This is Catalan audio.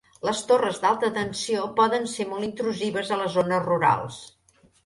Les torres d'alta tensió poden ser molt intrusives a les zones rurals